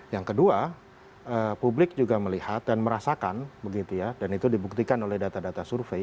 yang kedua publik juga melihat dan merasakan begitu ya dan itu dibuktikan oleh data data survei